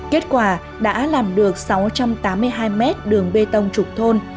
kết quả đã làm được sáu trăm tám mươi hai mét đường bê tông trục thôn